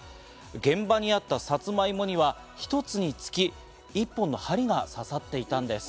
現場にあったサツマイモには１つにつき１本の針が刺さっていたんです。